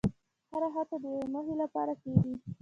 هره هڅه د یوې موخې لپاره کېږي.